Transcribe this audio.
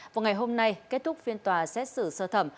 vào ngày hôm nay kết thúc phiên tòa xét xử sơ thẩm